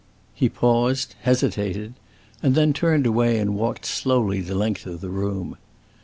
He paused, hesitated, and then turned away and walked slowly the length of the room.